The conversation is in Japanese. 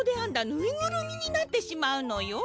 ぬいぐるみになってしまうのよ。